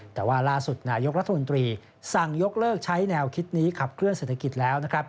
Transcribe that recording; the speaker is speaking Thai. แต่ว่าล่าสุดนายกรัฐมนตรีสั่งยกเลิกใช้แนวคิดนี้ขับเคลื่อเศรษฐกิจแล้วนะครับ